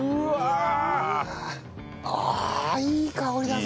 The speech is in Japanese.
ああいい香りだぞ。